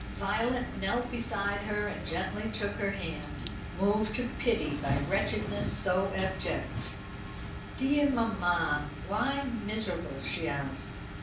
Violet knelt beside her and gently took her hand, moved to pity by wretchedness so abject. "Dear mamma, why miserable?" she asked.